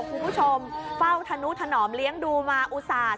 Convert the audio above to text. คุณผู้ชมเฝ้าธนุถนอมเลี้ยงดูมาอุตส่าห์